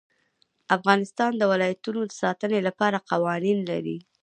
افغانستان د ولایتونو د ساتنې لپاره قوانین لري.